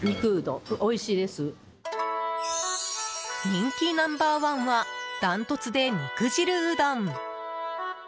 人気ナンバー１はダントツで肉汁うどん。